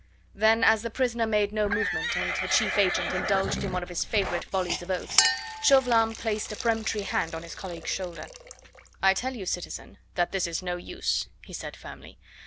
Then, as the prisoner made no movement, and the chief agent indulged in one of his favourite volleys of oaths, Chauvelin placed a peremptory hand on his colleague's shoulder. "I tell you, citizen, that this is no use," he said firmly.